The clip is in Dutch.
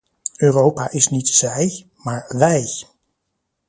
Europa is niet "zij", maar "wij".